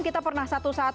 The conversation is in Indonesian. kita pernah satu satu imbang